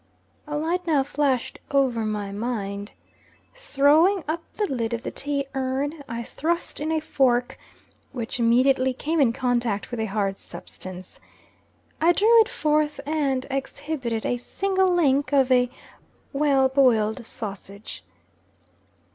A light now flashed over my mind. Throwing up the lid of the tea urn, I thrust in a fork, which immediately came in contact with a hard substance. I drew it forth, and exhibited a single link of a well "biled" sausage.